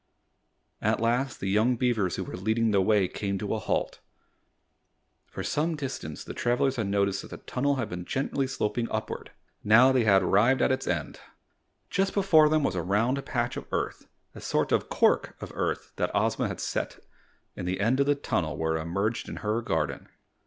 At last the young beavers who were leading the way came to a halt. For some distance the travelers had noticed that the tunnel had been gently sloping upward. Now they had arrived at its end. Just before them was a round patch of earth a sort of "cork" of earth that Ozma had set in the end of the tunnel where it emerged in her garden.